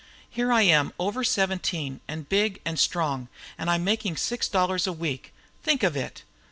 Here I am over seventeen and big and strong, and I'm making six dollars a week. Think of it!